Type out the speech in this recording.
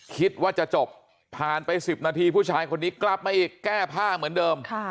คิดว่าจะจบผ่านไป๑๐นาทีผู้ชายคนนี้กลับไม่แก้ผ้าเหมือนเดิม